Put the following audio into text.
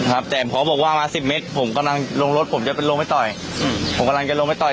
ครับแต่พอบอกว่ามาสิบเมตรผมกำลังลงรถผมจะไปลงไปต่อยอืมผมกำลังจะลงไปต่อย